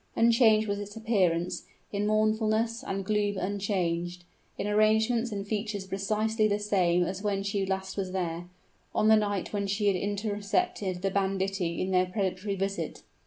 Unchanged was its appearance, in mournfulness and gloom unchanged, in arrangements and features precisely the same as when she last was there, on the night when she intercepted the banditti in their predatory visit.